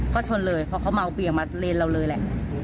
ก็ชนเลยเพราะเขาเมาเบี่ยงมาเลนเราเลยแหละ